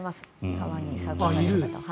川に散骨される方。